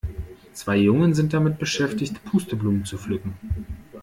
Zwei Jungen sind damit beschäftigt, Pusteblumen zu pflücken.